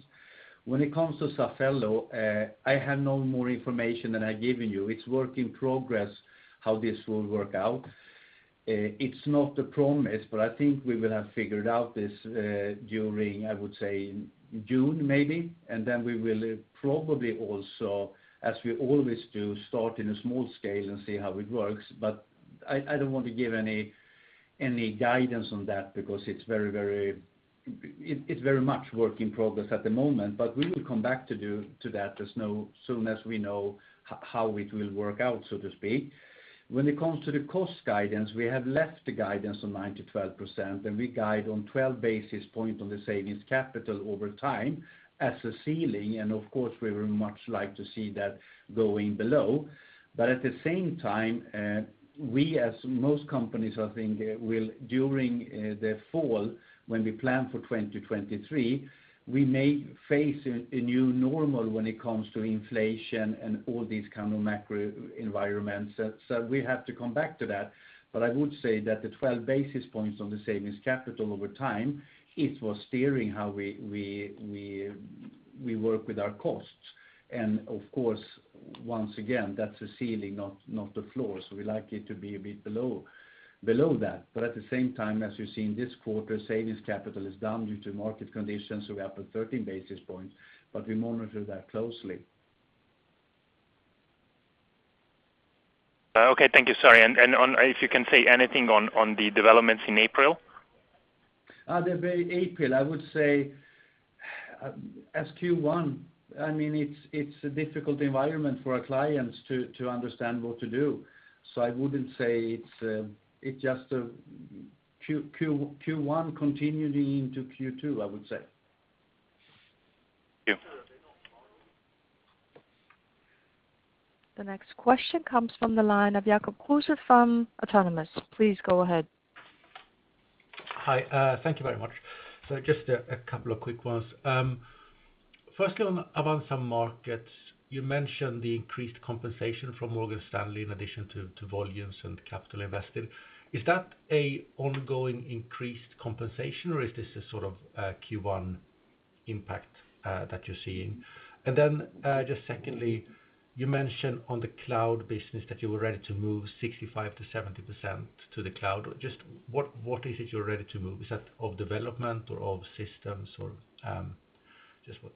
When it comes to Safello, I have no more information than I've given you. It's work in progress how this will work out. It's not a promise, but I think we will have figured out this during, I would say, June maybe. Then we will probably also, as we always do, start in a small scale and see how it works. I don't want to give any guidance on that because it's very much work in progress at the moment. We will come back to that as soon as we know how it will work out, so to speak. When it comes to the cost guidance, we have left the guidance on 9%-12%, and we guide on 12 basis points on the savings capital over time as a ceiling. Of course, we would much like to see that going below. At the same time, we, as most companies I think, will during the fall, when we plan for 2023, we may face a new normal when it comes to inflation and all these kind of macro environments. We have to come back to that. I would say that the 12 basis points on the savings capital over time, it was steering how we work with our costs. Of course, once again, that's a ceiling, not the floor. We like it to be a bit below that. At the same time, as you see in this quarter, savings capital is down due to market conditions, so we're up at 13 basis points, but we monitor that closely. Okay, thank you. Sorry. If you can say anything on the developments in April. The April, I would say as Q1. I mean, it's a difficult environment for our clients to understand what to do. I wouldn't say it's just Q1 continuing into Q2, I would say. Thank you. The next question comes from the line of Jacob Kruse from Autonomous. Please go ahead. Hi. Thank you very much. Just a couple of quick ones. Firstly, on about some markets, you mentioned the increased compensation from Morgan Stanley in addition to volumes and capital invested. Is that a ongoing increased compensation, or is this a sort of Q1 impact that you're seeing? Just secondly, you mentioned on the cloud business that you were ready to move 65%-70% to the cloud. Just what is it you're ready to move? Is that of development or of systems or just what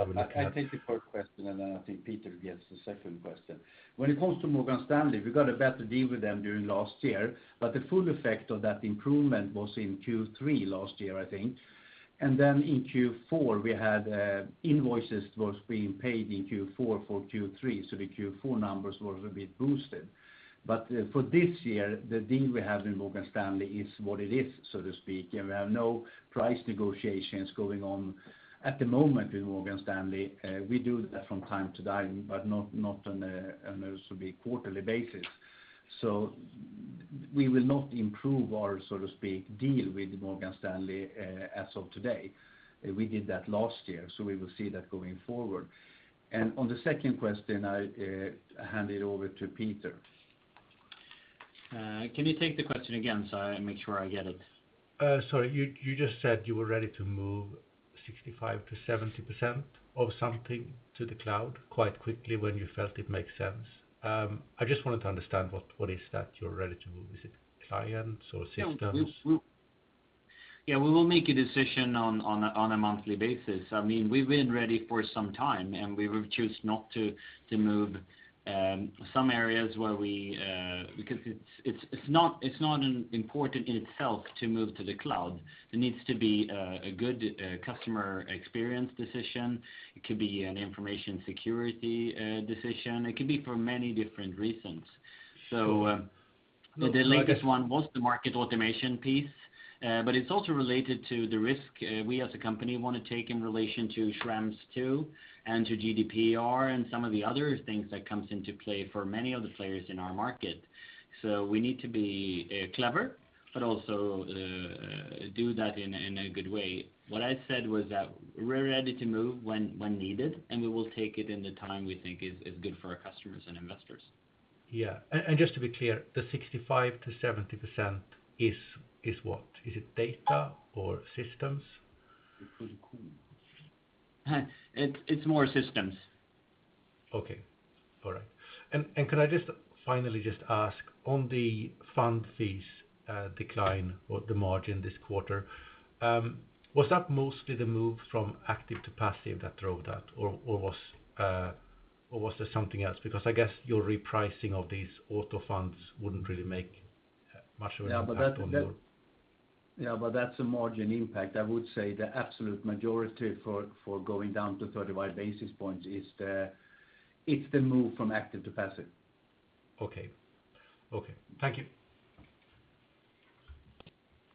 are we looking at? I'll take the first question, and then I think Peter gets the second question. When it comes to Morgan Stanley, we got a better deal with them during last year, but the full effect of that improvement was in Q3 last year, I think. Then in Q4, we had invoices was being paid in Q4 for Q3, so the Q4 numbers was a bit boosted. For this year, the deal we have with Morgan Stanley is what it is, so to speak. We have no price negotiations going on at the moment with Morgan Stanley. We do that from time to time, but not on a, so to speak, quarterly basis. We will not improve our, so to speak, deal with Morgan Stanley, as of today. We did that last year, so we will see that going forward. On the second question, I hand it over to Peter. Can you take the question again, so I make sure I get it? Sorry. You just said you were ready to move 65%-70% of something to the cloud quite quickly when you felt it makes sense. I just wanted to understand what is that you're ready to move. Is it clients or systems? We will make a decision on a monthly basis. I mean, we've been ready for some time, and we will choose not to move some areas because it's not important in itself to move to the cloud. There needs to be a good customer experience decision. It could be an information security decision. It could be for many different reasons. So the latest one was the market automation piece. But it's also related to the risk we as a company wanna take in relation to Schrems II and to GDPR and some of the other things that comes into play for many of the players in our market. So we need to be clever, but also do that in a good way. What I said was that we're ready to move when needed, and we will take it in the time we think is good for our customers and investors. Yeah. Just to be clear, the 65%-70% is what? Is it data or systems? It's- It's more systems. Okay. All right. Can I just finally just ask on the fund fees decline or the margin this quarter? Was that mostly the move from active to passive that drove that or was there something else? Because I guess your repricing of these auto funds wouldn't really make much of an impact on your- That's a margin impact. I would say the absolute majority for going down to 35 basis points is the move from active to passive. Okay. Okay. Thank you.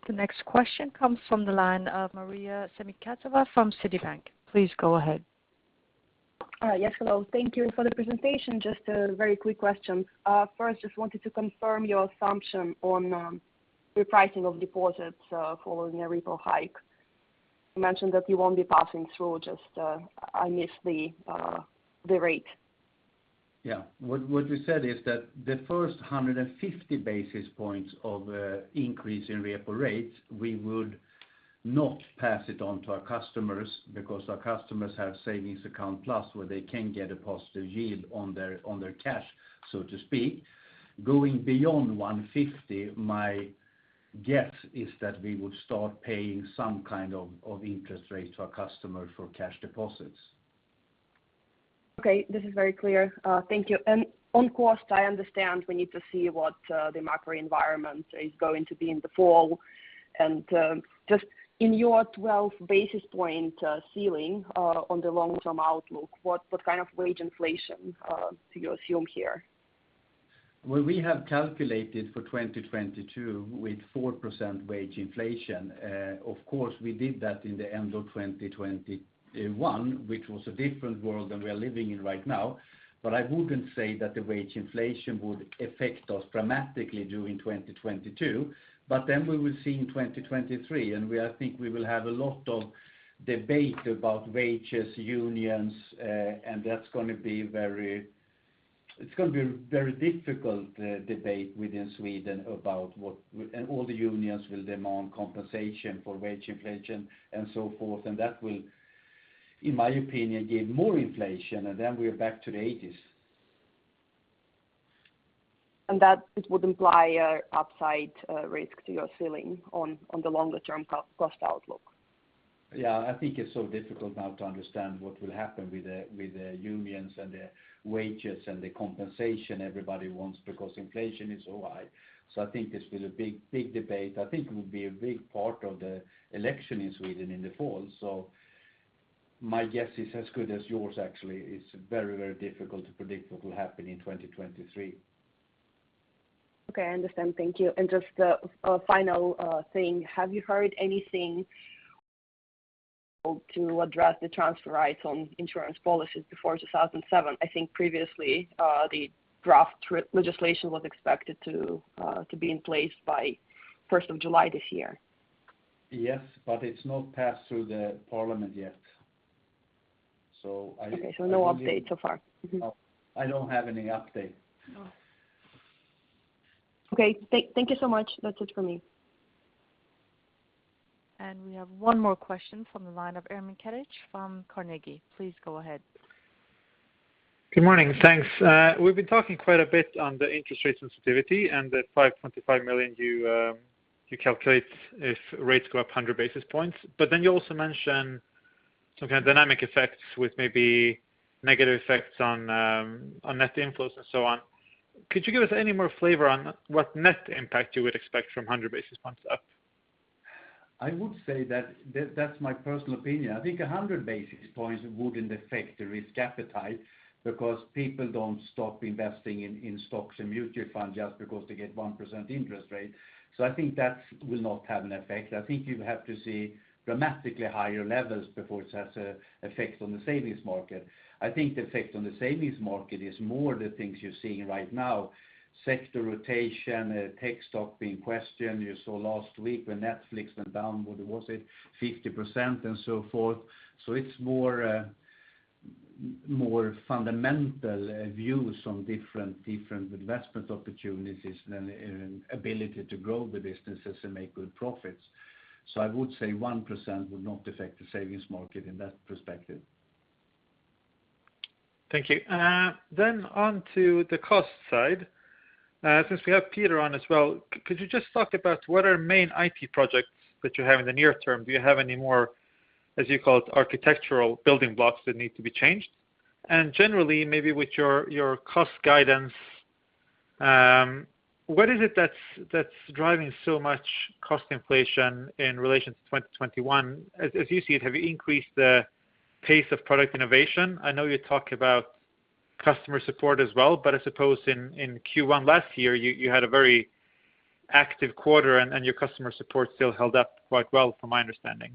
The next question comes from the line of Maria Semikhatova from Citibank. Please go ahead. All right. Yes, hello. Thank you for the presentation. Just a very quick question. First, just wanted to confirm your assumption on repricing of deposits following a repo hike. You mentioned that you won't be passing through. Just, I missed the rate. Yeah. What we said is that the first 150 basis points of increase in repo rates, we would not pass it on to our customers because our customers have Savings Account Plus, where they can get a positive yield on their cash, so to speak. Going beyond 150, my guess is that we would start paying some kind of interest rate to our customer for cash deposits. Okay. This is very clear. Thank you. On cost, I understand we need to see what the macro environment is going to be in the fall. Just in your 12 basis point ceiling on the long-term outlook, what kind of wage inflation do you assume here? Well, we have calculated for 2022 with 4% wage inflation. Of course, we did that in the end of 2021, which was a different world than we're living in right now. I wouldn't say that the wage inflation would affect us dramatically during 2022. Then we will see in 2023, and I think we will have a lot of debate about wages, unions, and that's gonna be very difficult debate within Sweden about what all the unions will demand compensation for wage inflation and so forth. That will, in my opinion, give more inflation, and then we're back to the eighties. That it would imply a upside risk to your ceiling on the longer term cost outlook? Yeah. I think it's so difficult now to understand what will happen with the, with the unions and the wages and the compensation everybody wants because inflation is so high. I think this will a big debate. I think it will be a big part of the election in Sweden in the fall. My guess is as good as yours actually. It's very difficult to predict what will happen in 2023. Okay, I understand. Thank you. Just a final thing, have you heard anything to address the transfer rights on insurance policies before 2007? I think previously, the draft legislation was expected to be in place by first of July this year. Yes, it's not passed through the parliament yet. I don't have any- Okay. No update so far. Mm-hmm. No. I don't have any update. No. Okay. Thank you so much. That's it for me. We have one more question from the line of Ermin Keric from Carnegie. Please go ahead. Good morning. Thanks. We've been talking quite a bit on the interest rate sensitivity and the 5.5 million you calculate if rates go up 100 basis points. You also mention some kind of dynamic effects with maybe negative effects on net inflows and so on. Could you give us any more flavor on what net impact you would expect from 100 basis points up? I would say that's my personal opinion. I think 100 basis points wouldn't affect the risk appetite because people don't stop investing in stocks and mutual funds just because they get 1% interest rate. I think that will not have an effect. I think you have to see dramatically higher levels before it has an effect on the savings market. I think the effect on the savings market is more the things you're seeing right now, sector rotation, tech stock being questioned. You saw last week when Netflix went down, what was it, 50% and so forth. It's more fundamental views on different investment opportunities than and ability to grow the businesses and make good profits. I would say 1% would not affect the savings market in that perspective. Thank you. On to the cost side, since we have Peter on as well, could you just talk about what the main IT projects that you have in the near term? Do you have any more, as you call it, architectural building blocks that need to be changed? Generally, maybe with your cost guidance, what is it that's driving so much cost inflation in relation to 2021? As you see it, have you increased the pace of product innovation? I know you talk about customer support as well, but I suppose in Q1 last year you had a very active quarter and your customer support still held up quite well from my understanding.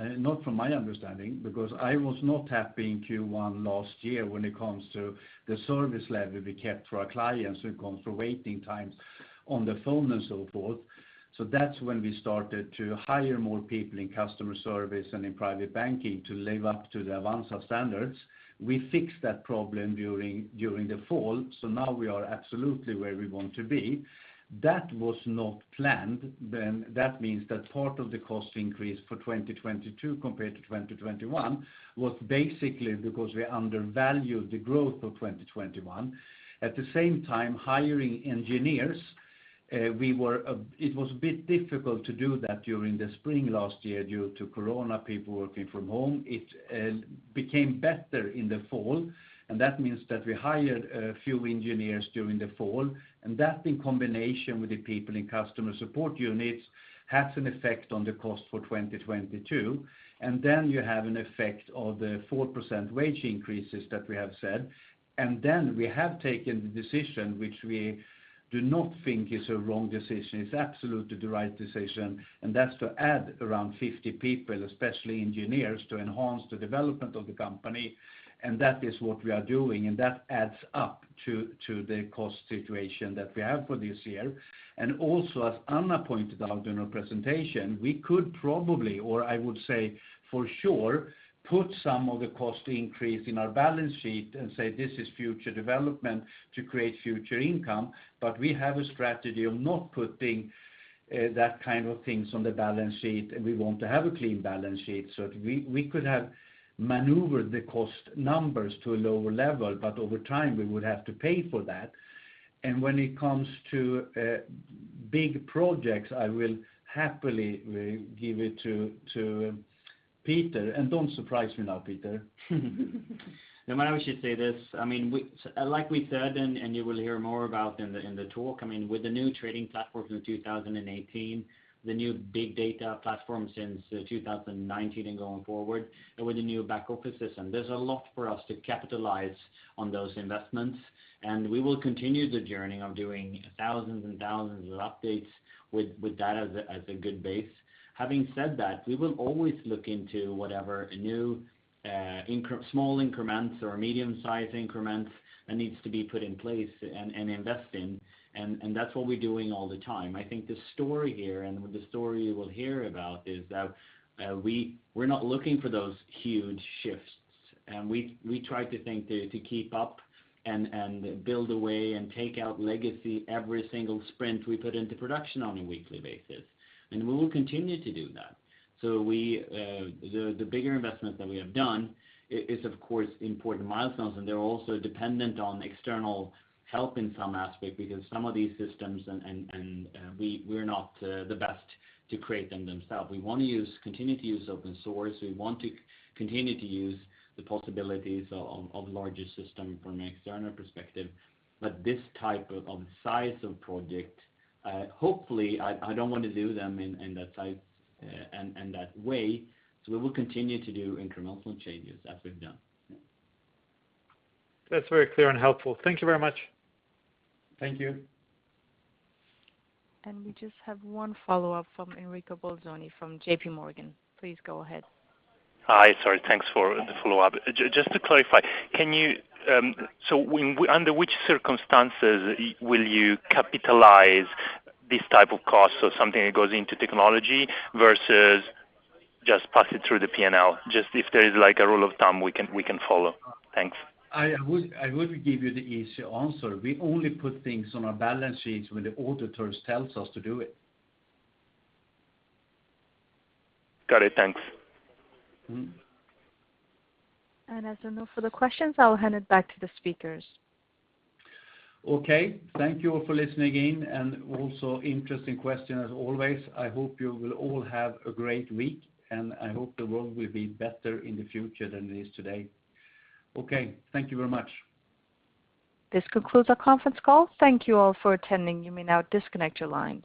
Not from my understanding, because I was not happy in Q1 last year when it comes to the service level we kept for our clients when it comes to waiting times on the phone and so forth. That's when we started to hire more people in customer service and in Private Banking to live up to the Avanza standards. We fixed that problem during the fall, so now we are absolutely where we want to be. That was not planned then. That means that part of the cost increase for 2022 compared to 2021 was basically because we undervalued the growth of 2021. At the same time, hiring engineers. It was a bit difficult to do that during the spring last year due to corona, people working from home. It became better in the fall, and that means that we hired a few engineers during the fall, and that in combination with the people in customer support units has an effect on the cost for 2022. You have an effect of the 4% wage increases that we have said. We have taken the decision, which we do not think is a wrong decision, it's absolutely the right decision, and that's to add around 50 people, especially engineers, to enhance the development of the company, and that is what we are doing. That adds up to the cost situation that we have for this year. Also, as Anna pointed out during her presentation, we could probably, or I would say for sure, put some of the cost increase in our balance sheet and say, "This is future development to create future income." But we have a strategy of not putting that kind of things on the balance sheet, and we want to have a clean balance sheet. So we could have maneuvered the cost numbers to a lower level, but over time, we would have to pay for that. When it comes to big projects, I will happily give it to Peter. Don't surprise me now, Peter. No, maybe I should say this. I mean, like we said, and you will hear more about in the talk, I mean, with the new trading platform in 2018, the new big data platform since 2019 and going forward, and with the new back office system, there's a lot for us to capitalize on those investments. We will continue the journey of doing thousands and thousands of updates with that as a good base. Having said that, we will always look into whatever new small increments or medium-size increments that needs to be put in place and invest in. That's what we're doing all the time. I think the story here and the story you will hear about is that we're not looking for those huge shifts. We try to keep up and build a way and take out legacy every single sprint we put into production on a weekly basis. We will continue to do that. The bigger investment that we have done is, of course, important milestones, and they're also dependent on external help in some aspect because some of these systems and we're not the best to create them themselves. We wanna continue to use open source. We want to continue to use the possibilities of larger system from an external perspective. This type of size of project, hopefully, I don't want to do them in that size in that way. We will continue to do incremental changes as we've done. Yeah. That's very clear and helpful. Thank you very much. Thank you. We just have one follow-up from Enrico Bolzoni from JPMorgan. Please go ahead. Hi. Sorry, thanks for the follow-up. Just to clarify, can you... Under which circumstances will you capitalize this type of cost or something that goes into technology versus just pass it through the P&L? Just if there is like a rule of thumb we can follow. Thanks. I would give you the easy answer. We only put things on our balance sheets when the auditors tells us to do it. Got it. Thanks. Mm-hmm. As there are no further questions, I'll hand it back to the speakers. Okay. Thank you all for listening in, and also an interesting question as always. I hope you will all have a great week, and I hope the world will be better in the future than it is today. Okay, thank you very much. This concludes our conference call. Thank you all for attending. You may now disconnect your lines.